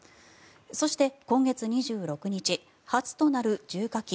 そして、今月２６日初となる重火器